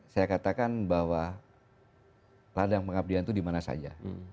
saya katakan bahwa ladang pengabdian itu dimana saja